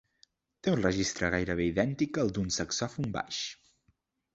Té un registre gairebé idèntic al d'un saxòfon baix.